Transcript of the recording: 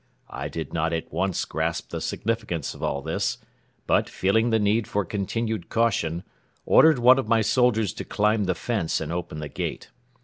I did not at once grasp the significance of all this; but, feeling the need for continued caution, ordered one of my soldiers to climb the fence and open the gate.